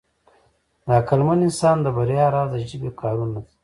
د عقلمن انسان د بریا راز د ژبې کارونه ده.